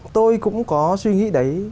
tôi cũng có suy nghĩ đấy